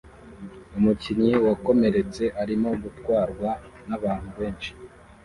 Umukinnyi wakomeretse arimo gutwarwa nabantu benshi